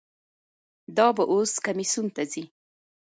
دا به اوس کمیسیون ته ځي.